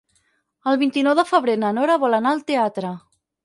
El vint-i-nou de febrer na Nora vol anar al teatre.